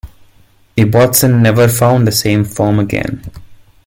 Ibbotson never found the same form again.